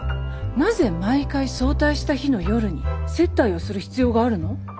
なぜ毎回早退した日の夜に接待をする必要があるの？